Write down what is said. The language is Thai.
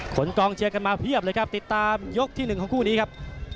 กองเชียร์กันมาเพียบเลยครับติดตามยกที่๑ของคู่นี้ครับ